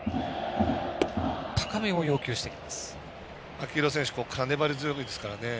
秋広選手、粘り強いですからね。